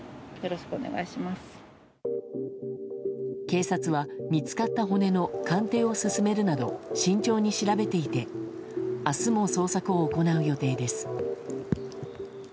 警察は、見つかった骨の鑑定を進めるなど慎重に調べていて明日も捜索を行う予定です。